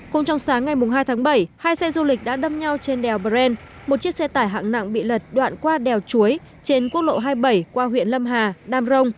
cùng trong sáng ngày hai tháng bảy hai xe du lịch đã đâm nhau trên đèo brent một chiếc xe tải hạng nặng bị lật đoạn qua đèo chuối trên quốc lộ hai mươi bảy qua huyện lâm hà đam rồng